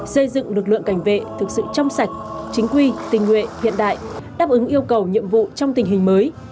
xây dựng lực lượng cảnh vệ thực sự trong sạch chính quy tình nguyện hiện đại đáp ứng yêu cầu nhiệm vụ trong tình hình mới